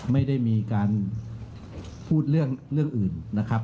ไม่ได้มีการพูดเรื่องอื่นนะครับ